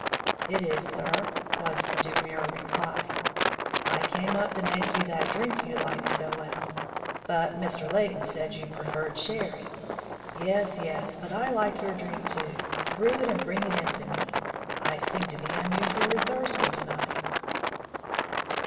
"It is, sir," was the demure reply. "I came up to make you that drink you like so well; but Mr. Leighton said you preferred sherry." "Yes, yes; but I like your drink, too. Brew it and bring it in to me. I seem to be unusually thirsty to night."